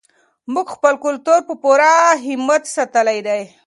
موږ خپل کلتور په پوره همت ساتلی دی.